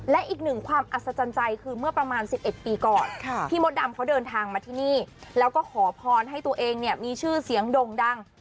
และอีกหนึ่งความอัศจรรย์ใจคือเมื่อประมาณ๑๑ปีก่อนพี่มดดำเขาเดินทางมาที่นี่แล้วก็ขอพรให้ตัวเองเนี่ยมีชื่อเสียงด่งดัง